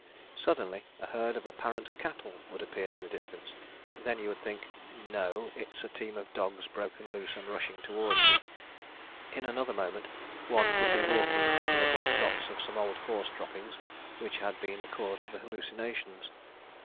Suddenly a herd of apparent cattle would appear in the distance, then you would think, 'No, it's a team of dogs broken loose and rushing towards you.' In another moment one would be walking over the black dots of some old horse droppings which had been the cause of the hallucinations.